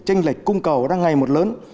tranh lệch cung cầu đang ngày một lớn